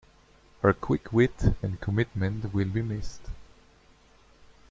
Her quick wit and commitment will be missed.